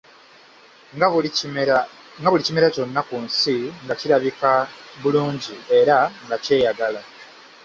Nga buli kimera kyonna ku nsi nga kirabika bulungi era nga kyeyagala.